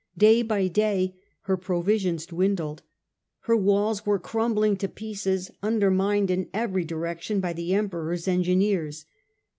Day by day her provisions dwindled : her walls were crumbling to pieces, undermined in every direction by the Emperor's engineers.